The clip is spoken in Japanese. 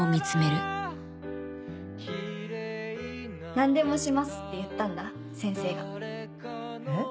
「何でもします」って言ったんだ先生えっ？